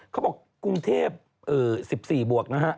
เขาบอกกรุงเทพฯ๑๔บวกนะฮะ